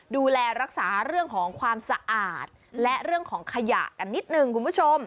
ดูแลรักษาเรื่องของความสะอาดและเรื่องของขยะกันนิดหนึ่งคุณผู้ชม